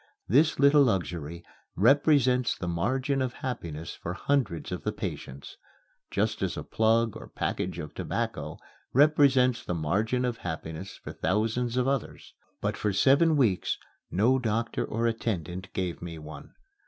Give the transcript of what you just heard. This little luxury represents the margin of happiness for hundreds of the patients, just as a plug or package of tobacco represents the margin of happiness for thousands of others; but for seven weeks no doctor or attendant gave me one.